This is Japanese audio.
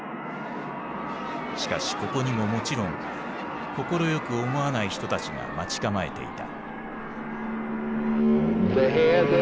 しかしここにももちろん快く思わない人たちが待ち構えていた。